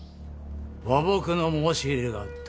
和睦の申し入れがあった。